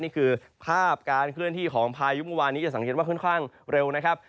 นี่คือภาพการเคลื่อนที่ของพายุเมื่อวานนี้จะสังเกตว่าค่อนข้างเร็วนะครับ